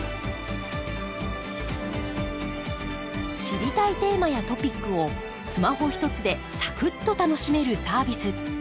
知りたいテーマやトピックをスマホひとつでサクッと楽しめるサービス。